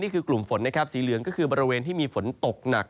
นี่คือกลุ่มฝนสีเหลืองก็คือบริเวณที่มีฝนตกหนัก